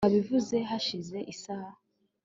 wabivuze hashize isaha